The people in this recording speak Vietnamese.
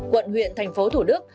quận huyện tp thủ đức